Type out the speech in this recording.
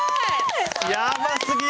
やばすぎる！